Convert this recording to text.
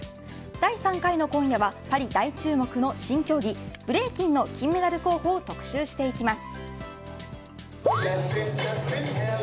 第３回の今夜は大注目の新競技ブレイキンの金メダル候補を特集していきます。